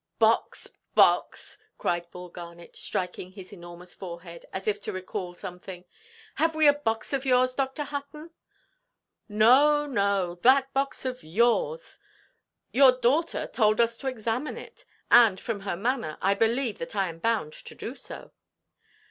"Box, box!" cried Bull Garnet, striking his enormous forehead, as if to recall something; "have we a box of yours, Dr. Hutton?" "No, no; that box of yours. Your daughter told us to examine it. And, from her manner, I believe that I am bound to do so."